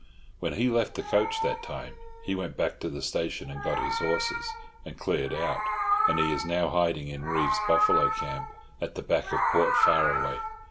When he left the coach that time, he went back to the station and got his horses, and cleared out, and he is now hiding in Reeves's buffalo camp at the back of Port Faraway.